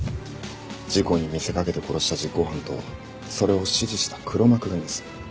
事故に見せかけて殺した実行犯とそれを指示した黒幕がいます。